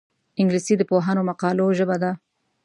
انګلیسي د پوهانو مقالو ژبه ده